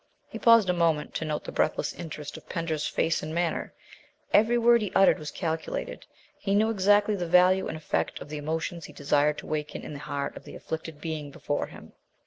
He paused a moment to note the breathless interest of Pender's face and manner. Every word he uttered was calculated; he knew exactly the value and effect of the emotions he desired to waken in the heart of the afflicted being before him.